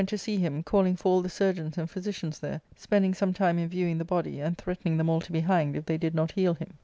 ^Book IIL see him, calling for all the surgeons and physicians there, spending some time in viewing the body, and threatening them all to be hanged if they did not heal him.